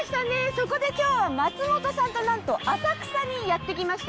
そこで今日は松本さんとなんと浅草にやって来ました。